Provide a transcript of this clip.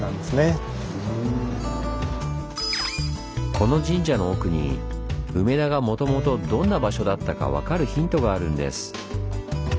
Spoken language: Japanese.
この神社の奥に梅田がもともとどんな場所だったか分かるヒントがあるんです。